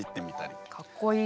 かっこいい。